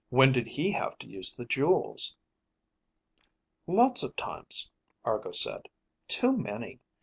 When did he have to use the jewels?" "Lots of times," Argo said. "Too many.